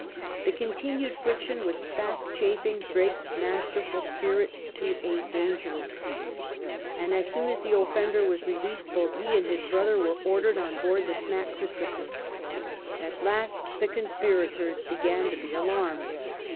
The continued friction was fast chafing Drake's masterful spirit to a dangerous heat, and as soon as the offender was released both he and his brother were ordered on board the smack Christophei\ At last the conspirators began to be alarmed.